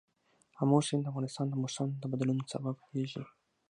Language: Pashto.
آمو سیند د افغانستان د موسم د بدلون سبب کېږي.